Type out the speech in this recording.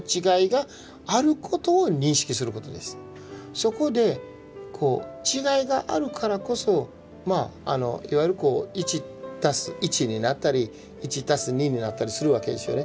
そこで違いがあるからこそいわゆるこう１＋１になったり１＋２になったりするわけですよね。